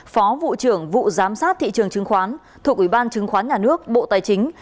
phó vụ trưởng vụ giám sát thị trường chứng khoán thuộc ủy ban chứng khoán nhà nước bộ tài chính